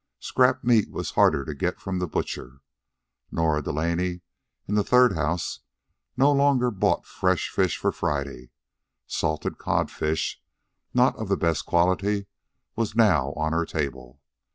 Scrap meat was harder to get from the butcher. Nora Delaney, in the third house, no longer bought fresh fish for Friday. Salted codfish, not of the best quality, was now on her table.